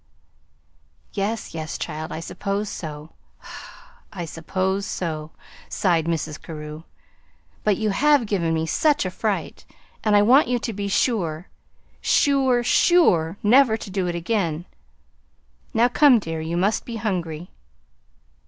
"Yes, yes, child, I suppose so, I suppose so," sighed Mrs. Carew; "but you have given me such a fright, and I want you to be sure, SURE, SURE never to do it again. Now come, dear, you must be hungry."